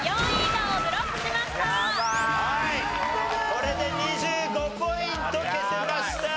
これで２５ポイント消せました。